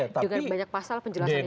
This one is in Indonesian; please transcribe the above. jangan banyak pasal penjelasannya